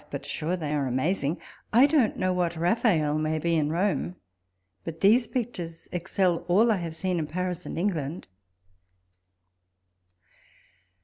But sure they ai e amazing ! I don't know what Raphael may be in Rome, but these pictures excel all I have seen, in Paris and England.